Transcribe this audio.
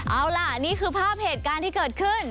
เอาล่ะนี่คือภาพเหตุการณ์ที่เกิดขึ้น